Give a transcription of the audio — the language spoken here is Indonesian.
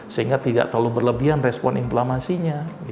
sehingga tidak terlalu berlebihan respon inflamasinya